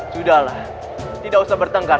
sudah lah tidak usah bertengkar